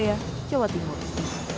gainingkan tim dan virus